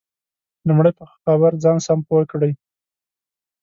لمړی په خبر ځان سم پوه کړئ